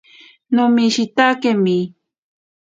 Nomishitakemi.